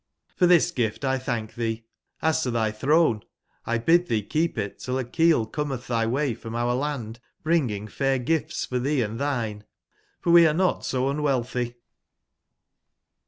f or tbis gif tltbank tbee. Hs to tby tbrone,t bid tbee keep it till a keel cometb tby way from our land, bringing fair gifts for tbee & tbine.f or we are not so unwealtby."